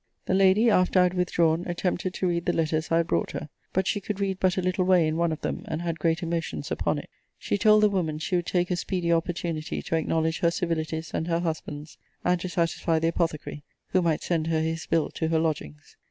The lady, after I had withdrawn, attempted to read the letters I had brought her. But she could read but a little way in one of them, and had great emotions upon it. She told the woman she would take a speedy opportunity to acknowledge her civilities and her husband's, and to satisfy the apothecary, who might send her his bill to her lodgings.